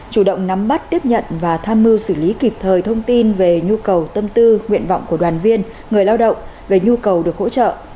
chủ động nắm bắt tiếp nhận và tham mưu xử lý kịp thời thông tin về nhu cầu tâm tư nguyện vọng của đoàn viên người lao động về nhu cầu được hỗ trợ